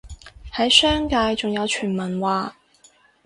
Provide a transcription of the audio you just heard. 喺商界仲有傳聞話